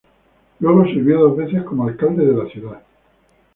Luego sirvió dos veces como alcalde de la ciudad.